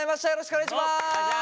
お願いします。